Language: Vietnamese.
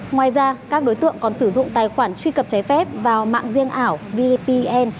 ngoài ra các đối tượng còn sử dụng tài khoản truy cập trái phép vào mạng riêng ảo vpn